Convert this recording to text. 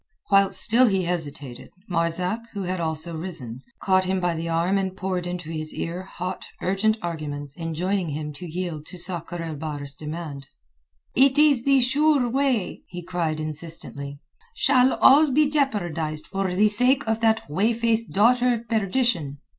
Whilst still he hesitated, Marzak, who had also risen, caught him by the arm and poured into his ear hot, urgent arguments enjoining him to yield to Sakr el Bahr's demand. "It is the sure way," he cried insistently. "Shall all be jeopardized for the sake of that whey faced daughter of perdition?